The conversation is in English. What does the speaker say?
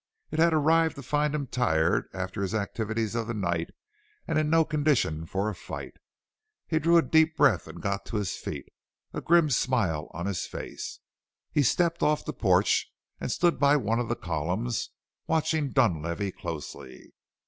It had arrived to find him tired after his activities of the night and in no condition for a fight. He drew a deep breath and got to his feet, a grim smile on his face. He stepped off the porch and stood by one of the columns, watching Dunlavey closely.